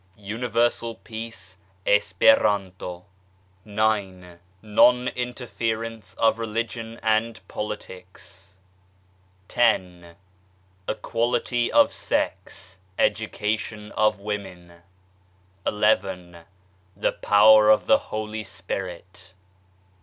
Universal Peace Esperanto. IX. Non Interference of Religion and Politics. X. Equality of Sex Education of Women. XL The Power of the Holy Spirit.